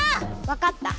わかった。